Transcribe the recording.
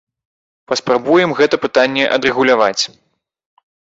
Паспрабуем гэта пытанне адрэгуляваць.